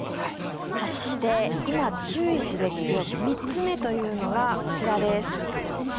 そして、今注意すべき病気３つ目というのがこちらです。